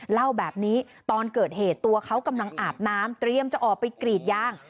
เล่าแบบนี้ตอนเกิดเหตุตัวเขากำลังอาบน้ำเตรียมจะออกไปกรีดยาง